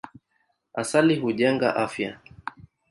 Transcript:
Asali hujenga afya.